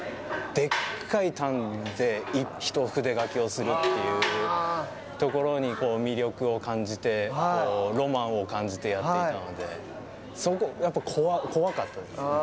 でっかいターンで一筆書きをするというところに魅力を感じてロマンを感じてやっていたので、やっぱり怖かったです。